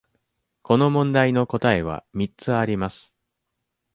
この問題の答えは三つあります。